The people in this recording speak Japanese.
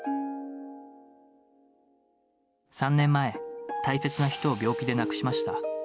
３年前、大切な人を病気で亡くしました。